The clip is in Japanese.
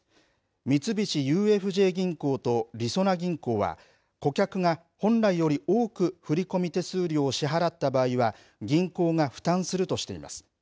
三菱ＵＦＪ銀行とりそな銀行は、顧客が本来より多く振込手数料を支払った場合は、銀行が負担するとしています。